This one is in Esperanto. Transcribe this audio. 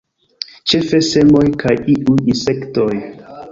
Ĉefe semoj kaj iuj insektoj.